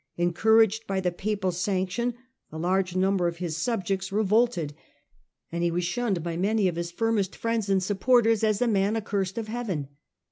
Encouraged by the Papal sanction a large number of his subjects revolted, and he 16 STUPOR MUNDI was shunned by many of his firmest friends and supporters as a man accursed of Heaven.